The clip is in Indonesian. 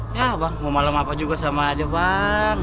iya bang mau malam apa juga sama aja bang